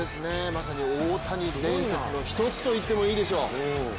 まさに大谷伝説の１つと言ってもいいでしょう。